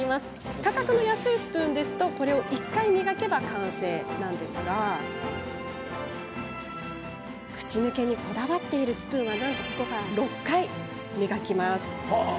価格の安いスプーンだとこれを１回磨けば完成ですが口抜けにこだわっているスプーンは、なんと６回磨きます。